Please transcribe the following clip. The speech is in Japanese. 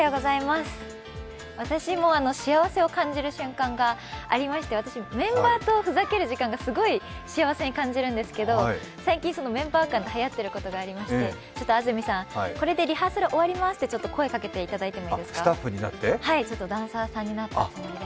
私も幸せを感じる瞬間がありまして、メンバーとふざける時間がすごく幸せに感じるんですけど最近、メンバー間ではやってることがありまして、安住さん、これでリハーサル終わりますって声かけていただいてもいいですか、ダンサーさんになったつもりで。